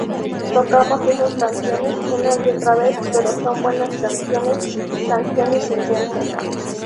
Tocamos esas canciones una y otra vez, pero son buenas canciones, canciones intensas.